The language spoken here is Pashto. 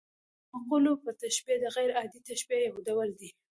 مقلوبه تشبیه د غـير عادي تشبیه یو ډول دئ.